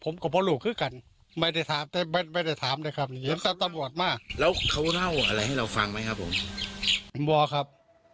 ไม่ได้ไม่ได้ถามเลยครับไม่ได้เจอตังค์บอร์ธมา